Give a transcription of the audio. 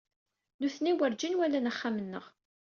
Nitni werǧin walan axxam-nneɣ.